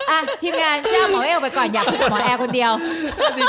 อ้าทีมงานจะเอาหมอเอวไปก่อนอย่ามากับหมอแอร์คนเดียว